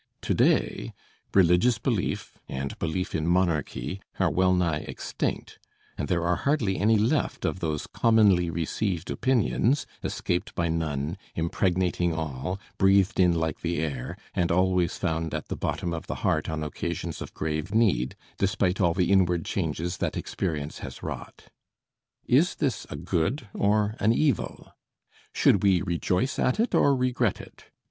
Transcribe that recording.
To day, religious belief and belief in monarchy are well nigh extinct; and there are hardly any left of those commonly received opinions, escaped by none, impregnating all, breathed in like the air, and always found at the bottom of the heart on occasions of grave need, despite all the inward changes that experience has wrought. Is this a good or an evil? Should we rejoice at it or regret it?